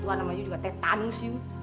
tuan sama iu juga tetanus iu